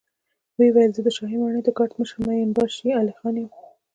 ويې ويل: زه د شاهي ماڼۍ د ګارد مشر مين باشي علی خان يم.